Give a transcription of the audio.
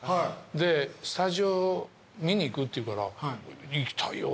で「スタジオ見に行く？」って言うから行きたいよ